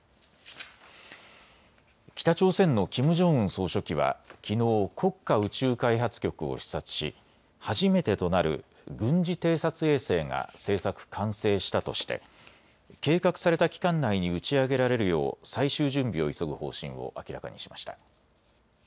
北朝鮮のキム・ジョンウン総書記はきのう国家宇宙開発局を視察し初めてとなる軍事偵察衛星が製作・完成したとして計画された期間内に打ち上げられるよう最終準備を急ぐ方針を明らかにしました。